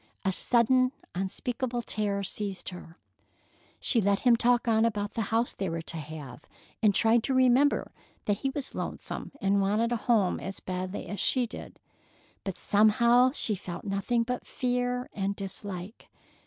A sudden, unspeakable terror seized her. She let him talk on about the house they were to have, and tried to remember that he was lonesome and wanted a home as badly as she did, but somehow she felt nothing but fear and dislike.